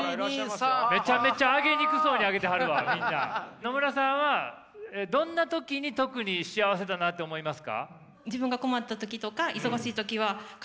野村さんはどんな時に特に幸せだなって思いますか？